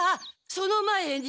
その前に。